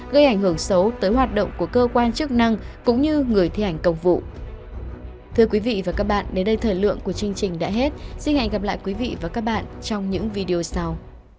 gây ảnh hưởng xấu tới hoạt động của cơ quan chức năng cũng như người thi hành công vụ